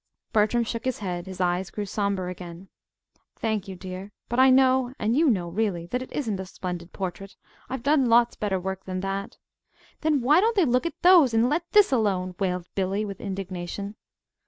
Bertram shook his head. His eyes grew sombre again. "Thank you, dear. But I know and you know, really that it isn't a splendid portrait. I've done lots better work than that." "Then why don't they look at those, and let this alone?" wailed Billy, with indignation.